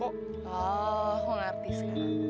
oh aku ngerti sekarang